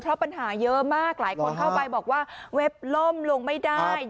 เพราะปัญหาเยอะมากหลายคนเข้าไปบอกว่าเว็บล่มลงไม่ได้